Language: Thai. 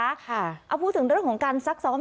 เอาพูดถึงเรื่องของการซักซ้อม